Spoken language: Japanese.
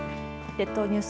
列島ニュース。